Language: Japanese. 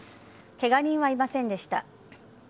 ケガ人はいませんでした。